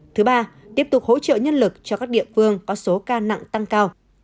thứ ba tiếp tục hỗ trợ nhân lực cho các địa phương có số ca nặng tăng cao